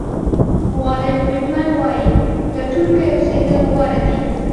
والټ وېټمن وایي پلټونکی اوسېدل غوره دي.